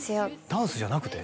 ダンスじゃなくて？